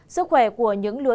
sức khỏe của những lứa trẻ